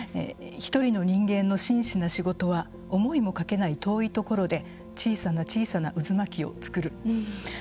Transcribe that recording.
「ひとりの人間の真摯な仕事はおもいもかけない遠いところで小さな小さな渦巻をつくる」。